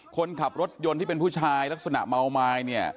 คนขับรถยนต์ที่เป็นผู้ชายลักษณะเมาไม้เนี่ย